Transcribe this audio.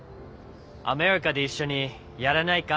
アメリカで一緒にやらないか？